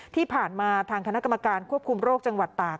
ที่ผ่านมาทางคณะกรรมการควบคุมโรคจังหวัดตาก